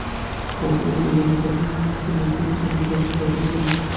পরে শুক্রবার নজরুল তাঁর বাবা-মাকে নিয়ে শিমুলতাইড় চরে দরদীকে আনতে যান।